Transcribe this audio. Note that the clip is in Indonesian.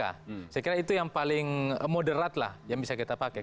saya kira itu yang paling moderat lah yang bisa kita pakai